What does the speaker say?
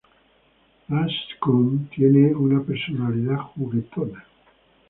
Gas Skunk tiene una personalidad juguetona.